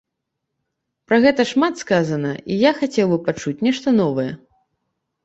Пра гэта шмат сказана, і я хацеў бы пачуць нешта новае.